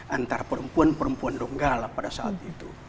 antara perempuan perempuan donggala pada saat itu